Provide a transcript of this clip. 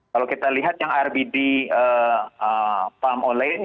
kalau kita lihat yang rbd palm oil lane